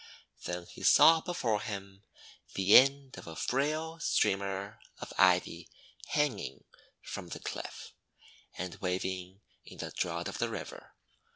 Then he saw before him the end of a frail streamer of Ivy hanging from the cliff, and waving in the draught of the river.